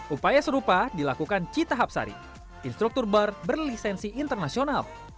upaya serupa dilakukan cita hapsari instruktur bar berlisensi internasional